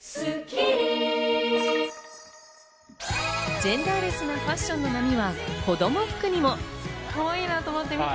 ジェンダーレスなファッションには子ども服にも。